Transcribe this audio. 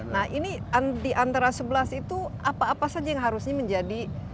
nah ini di antara sebelas itu apa apa saja yang harusnya menjadi